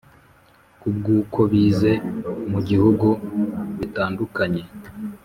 kubwukobize mubihugu bitandukanye.